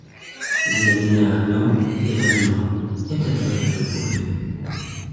Для меня одно и одно — это твоя любовь.